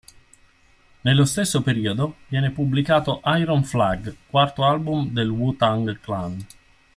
Nello stesso periodo viene pubblicato "Iron Flag", quarto album del Wu-Tang Clan.